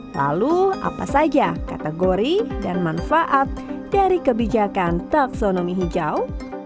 lalu apa saja kategori dan manfaat dari kebijakan taksonomi hijau